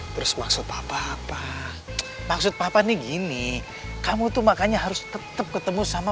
terus maksud apa apa maksud papa nih gini kamu tuh makanya harus tetep ketemu sama